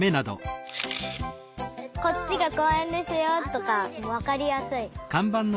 「こっちがこうえんですよ」とかわかりやすい。